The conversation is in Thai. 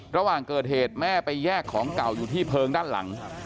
ระหว่างเกิดเหตุแม่ไปแยกของเก่าอยู่ที่เพลิงด้านหลัง